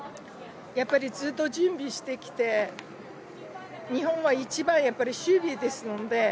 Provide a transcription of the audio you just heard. やっぱりずっと準備してきて日本の一番は、守備ですので。